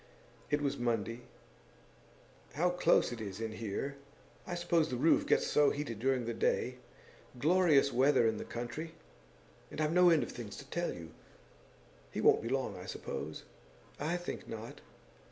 It was Monday. 'How close it is in here! I suppose the roof gets so heated during the day. Glorious weather in the country! And I've no end of things to tell you. He won't be long, I suppose?' 'I think not.